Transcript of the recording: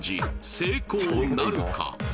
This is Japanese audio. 成功なるか？